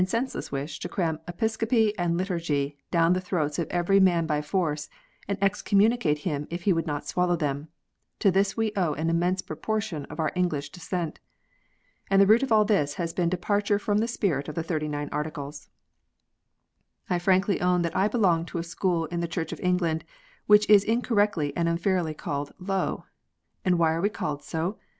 senseless wish to cram Episcopacy and Liturgy down the throats of every man by force, and excommunicate him if he would not swallow them, to this we owe an immense proportion of our English Dissent. And the root of all this has been departure from the spirit of the Thirty nine Articles. I frankly own that I belong to a school in the Church of England, which is incorrectly and unfairly called "low." And why are we called so